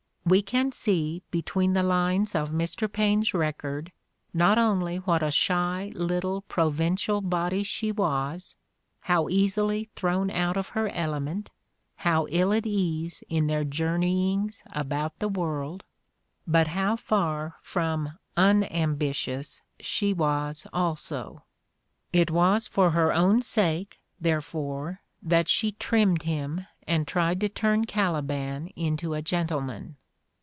"We can see, between the lines of Mr. Paine 's record, not only what a shy little provincial body she was, how easily thrown out of her element, how ill at ease in their journeyings about the world, but how far from unambi tious she was also. It was for her own sake, there fore, that she trimmed him and tried to turn Caliban into a gentleman.